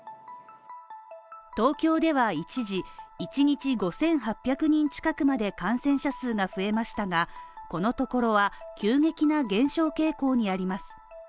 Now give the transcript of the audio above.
東京では一時１日５８００人近くまで感染者数が増えましたがこのところは急激な減少傾向にあります